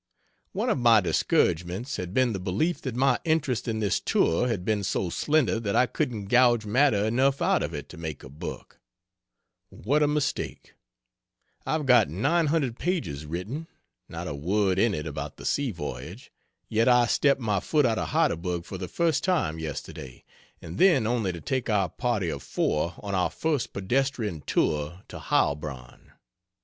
One of my discouragements had been the belief that my interest in this tour had been so slender that I couldn't gouge matter enough out of it to make a book. What a mistake. I've got 900 pages written (not a word in it about the sea voyage) yet I stepped my foot out of Heidelberg for the first time yesterday, and then only to take our party of four on our first pedestrian tour to Heilbronn.